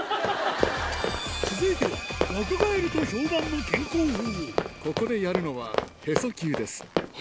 続いては若返ると評判の健康法